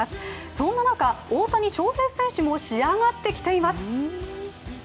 そんな中、大谷翔平選手も仕上がってきています。